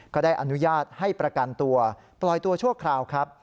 ก็ได้อนุญาตให้ประกันตัวปล่อยตัวชั่วคราวครับ